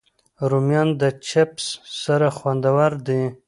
رومیان د چپس سره خوندور دي